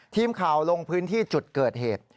ทีมข่าวลงพื้นที่จุดเกิดเหตุ